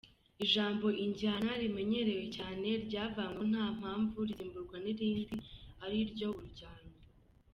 – Ijambo “injyana” rimenyerewe cyane ryavanyweho nta mpamvu, risimburwa n’irindi ari ryo “urujyano”.